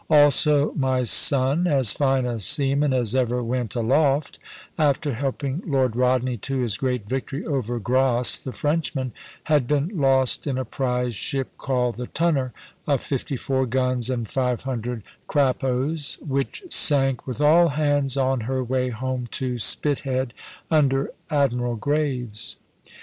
Also my son (as fine a seaman as ever went aloft), after helping Lord Rodney to his great victory over Grass the Frenchman, had been lost in a prize ship called the Tonner, of 54 guns and 500 Crappos, which sank with all hands on her way home to Spithead, under Admiral Graves.